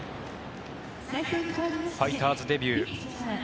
ファイターズデビュー